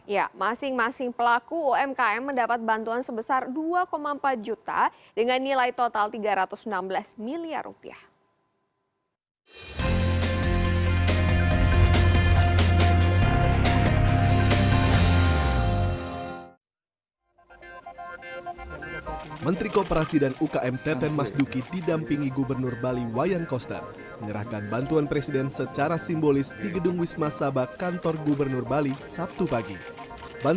ya masing masing pelaku umkm mendapat bantuan sebesar dua empat juta dengan nilai total tiga ratus enam belas miliar rupiah